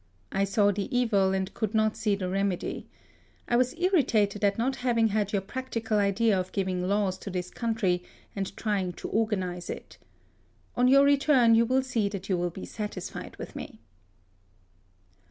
I saw the evil, and could not see the remedy. I was irritated at not having had your practical idea of giving laws to this country, and trying to organise it. On your return, you will see that you will be satisfied with me."